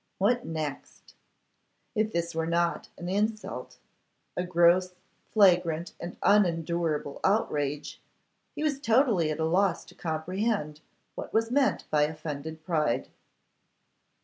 What next? If this were not an insult, a gross, flagrant, and unendurable outrage, he was totally at a loss to comprehend what was meant by offended pride.